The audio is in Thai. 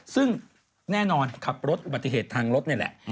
ซึ่งแน่นอนขับรถอุบัติเหตุทางรถนี่แหละ